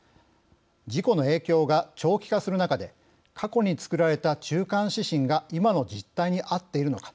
事故の影響が長期化する中で過去に作られた中間指針が今の実態に合っているのか。